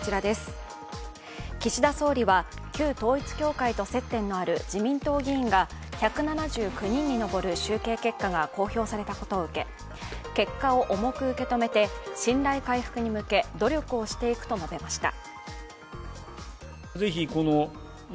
岸田総理は旧統一教会と接点のある自民党議員が１７９人に上る集計結果が公表されたことを受け結果を重く受け止めて信頼回復に向け努力をしていくと述べました。